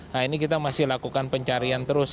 nah ini kita masih lakukan pencarian terus